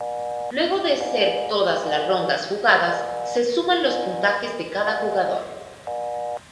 Luego de ser todas las rondas jugadas, se suman los puntajes de cada jugador.